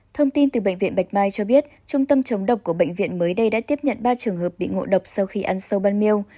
thông tin từ bệnh viện bạch mai cho biết trung tâm chống độc của bệnh viện mới đây đã tiếp nhận ba trường hợp bị ngộ độc sau khi ăn sâu ban mail